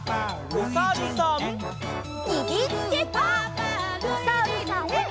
おさるさん。